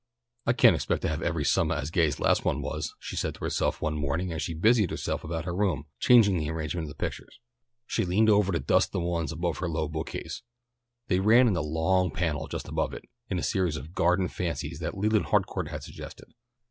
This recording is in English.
"I can't expect to have every summah as gay as last one was," she said to herself one morning, as she busied herself about her room, changing the arrangement of the pictures. She leaned over to dust the ones above her low bookcase. They ran in a long panel, just above it, the series of garden fancies that Leland Harcourt had suggested.